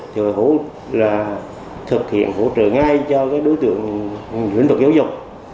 thì thực hiện hỗ trợ ngay cho đối tượng lĩnh vực giáo dục